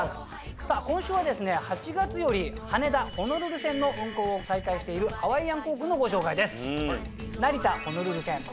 さぁ今週はですね８月より羽田−ホノルル線の運航を再開しているハワイアン航空のご紹介です。